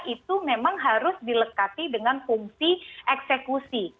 itu memang harus dilekati dengan fungsi eksekusi